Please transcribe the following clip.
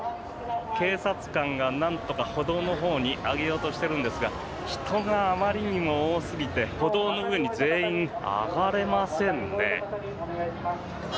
警察官が、なんとか歩道のほうに上げようとしているんですが人があまりにも多すぎて歩道の上に全員上がれませんね。